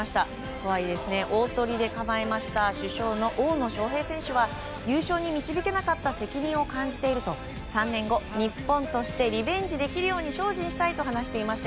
とはいえ大トリで構えました主将の大野将平選手は優勝に導けなかった責任を感じていると３年後、日本としてリベンジできるように精進したいと話していまして